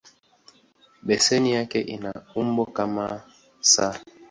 Beseni yake ina umbo kama "S".